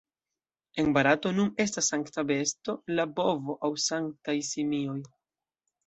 En Barato nun estas sankta besto la bovo aŭ sanktaj simioj.